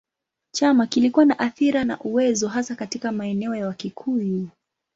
Chama kilikuwa na athira na uwezo hasa katika maeneo ya Wakikuyu.